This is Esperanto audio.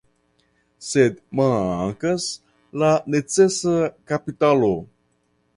Sed mankas la necesa kapitalo.